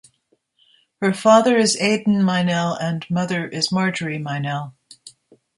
Her father is Aden Meinel and mother is Marjorie Meinel.